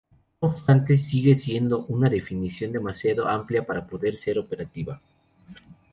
No obstante, sigue siendo una definición demasiado amplia para poder ser operativa.